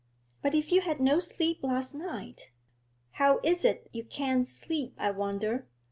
'But if you had no sleep last night? How is it you can't sleep, I wonder?